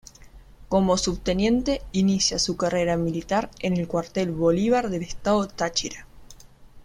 Como Subteniente inicia su carrera militar en el Cuartel Bolívar del estado Táchira.